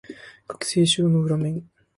学生証の裏面